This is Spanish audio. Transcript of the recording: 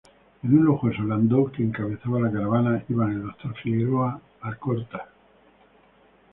En un lujoso landó que encabezaba la caravana iban el Dr. Figueroa Alcorta, Mr.